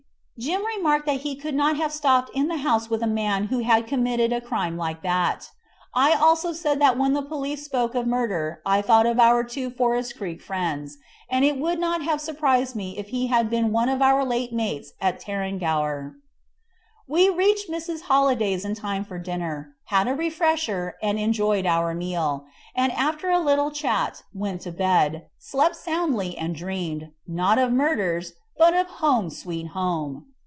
Jim remarked that he could not have stopped in the house with a man who had committed a crime like that. I also said that when the policeman spoke of murder I thought of our two Forest Creek friends, and it would not have surprised me if he had been one of our late mates from Tarrangower. We reached Mrs. Halliday's in time for supper, had a refresher, and. enjoyed our meal; and after a little chat went to bed, and slept soundly and dreamed, not of murders, but of "Home, sweet home."